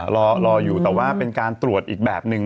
รออยู่แต่ว่าเป็นการตรวจอีกแบบหนึ่ง